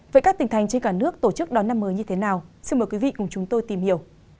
với các tỉnh thành trên cả nước tổ chức đón năm mới như thế nào xin mời quý vị cùng chúng tôi tìm hiểu